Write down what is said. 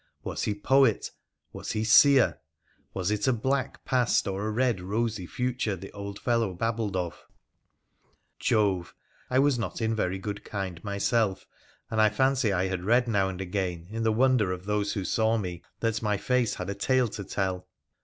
Was he poet ? Was he seer ? Was it a black past or a red, rosy future the old fellow babbled of ? Jove ! I was not in very good kind myself, and I fancy I had read now and again, in the wonder of those who saw me, that my face had a tale to tell.